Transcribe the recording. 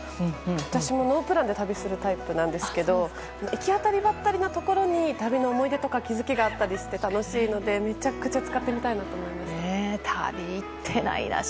私もノープランで旅するタイプなんですけど行き当たりばったりなところに旅の思い出とか気づきがあったりして楽しいのでめちゃめちゃ使ってみたいと思います。